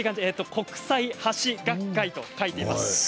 国際箸学会と書いています。